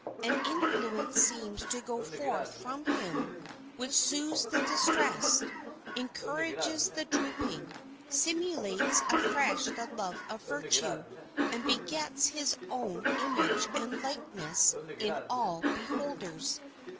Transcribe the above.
An influence seems to go forth from him which soothes the distressed, encourages the drooping, stimulates afresh the love of virtue, and begets its own image and likeness in all beholders.